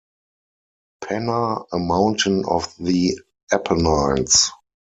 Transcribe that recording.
Penna, a mountain of the Apennines.